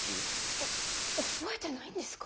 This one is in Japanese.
えっ覚えてないんですか？